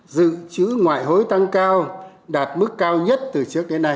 dự trữ ngoại hối tăng cao đạt mức cao nhất từ trước đến nay